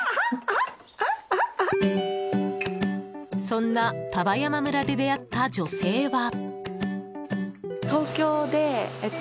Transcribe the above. そんな丹波山村で出会った女性は。